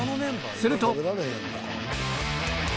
すると。